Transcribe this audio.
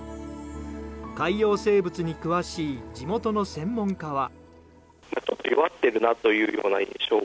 海洋生物に詳しい地元の専門家は。